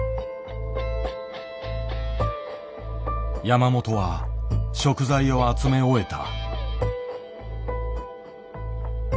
山本は食材を集め終えた。